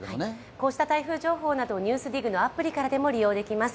こうした台風情報など「ＮＥＷＳＤＩＧ」のアプリからも入手できます。